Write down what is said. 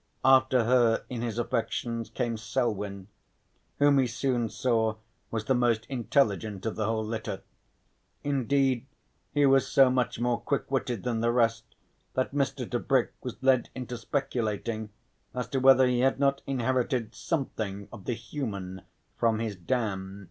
After her in his affections came Selwyn, whom he soon saw was the most intelligent of the whole litter. Indeed he was so much more quick witted than the rest that Mr. Tebrick was led into speculating as to whether he had not inherited something of the human from his dam.